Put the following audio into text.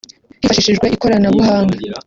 hifashishijwe ikoranabuhanga